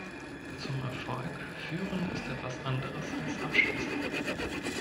Zum Erfolg führen ist etwas anderes als abschließen.